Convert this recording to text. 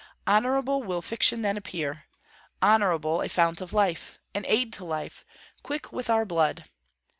Honourable will fiction then appear; honourable, a fount of life, an aid to life, quick with our blood.